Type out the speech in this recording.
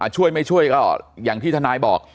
ช่วยไม่ช่วยก็อย่างที่ทนายบอก